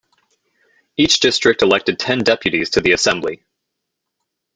Each district elected ten deputies to the Assembly.